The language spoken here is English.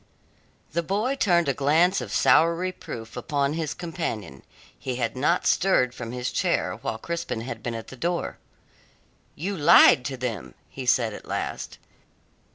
The boy turned a glance of sour reproof upon his companion. He had not stirred from his chair while Crispin had been at the door. "You lied to them," he said at last.